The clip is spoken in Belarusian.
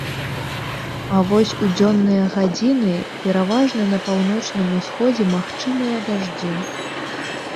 А вось у дзённыя гадзіны пераважна на паўночным усходзе магчымыя дажджы.